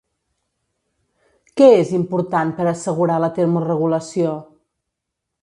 Què és important per assegurar la termoregulació?